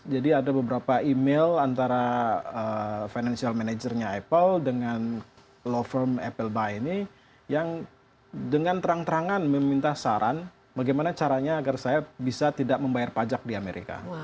jadi ada beberapa email antara financial managernya apple dengan law firm applebuy ini yang dengan terang terangan meminta saran bagaimana caranya agar saya bisa tidak membayar pajak di amerika